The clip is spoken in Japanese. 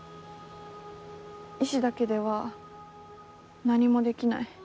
意思だけでは何もできない。